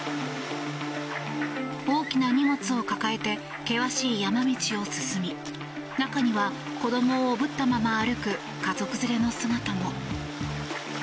大きな荷物を抱えて険しい山道を進み中には、子供をおぶったまま歩く家族連れの姿も。